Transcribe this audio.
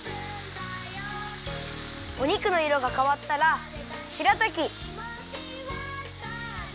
お肉のいろがかわったらしらたき